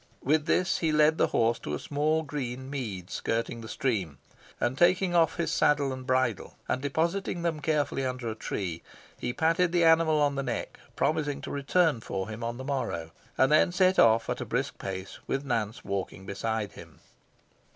With this, he led the horse to a small green mead skirting the stream, and taking off his saddle and bridle, and depositing them carefully under a tree, he patted the animal on the neck, promising to return for him on the morrow, and then set off at a brisk pace, with Nance walking beside him.